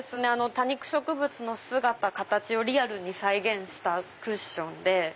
多肉植物の姿・形をリアルに再現したクッションで。